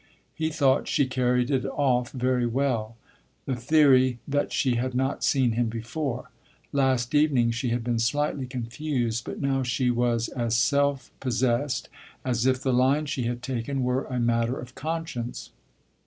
He thought she carried it off very well the theory that she had not seen him before; last evening she had been slightly confused, but now she was as self possessed as if the line she had taken were a matter of conscience.